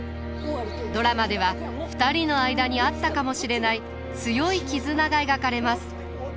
ドラマでは２人の間にあったかもしれない強い絆が描かれます。